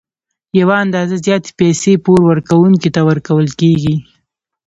یوه اندازه زیاتې پیسې پور ورکوونکي ته ورکول کېږي